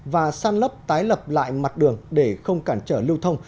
và san lấp tái lập lại mặt đường để không cản trở lưu thông